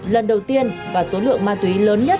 lần đầu tiên và số lượng ma túy lớn nhất